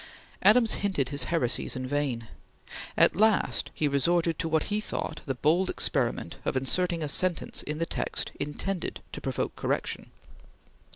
Adams hinted his heresies in vain. At last he resorted to what he thought the bold experiment of inserting a sentence in the text, intended to provoke correction.